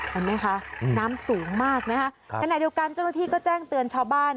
เห็นไหมคะน้ำสูงมากนะคะขณะเดียวกันเจ้าหน้าที่ก็แจ้งเตือนชาวบ้าน